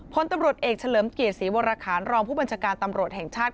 พลตำรวจเอกเฉลิมเกียรติศรีวรคารรองผู้บัญชาการตำรวจแห่งชาติ